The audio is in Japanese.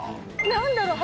何だろう